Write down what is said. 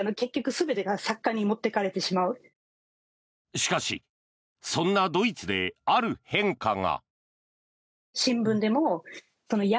しかし、そんなドイツである変化が。